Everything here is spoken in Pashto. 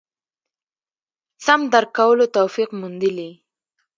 سم درک کولو توفیق موندلي.